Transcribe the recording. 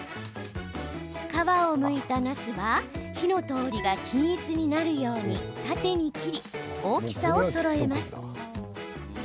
皮をむいた、なすは火の通りが均一になるように縦に切り大きさをそろえます。